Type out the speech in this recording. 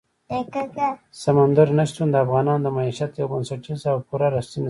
سمندر نه شتون د افغانانو د معیشت یوه بنسټیزه او پوره رښتینې سرچینه ده.